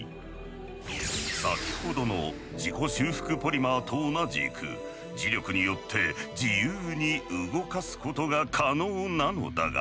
先ほどの自己修復ポリマーと同じく磁力によって自由に動かすことが可能なのだがそれが。